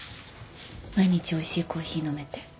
毎日おいしいコーヒー飲めて。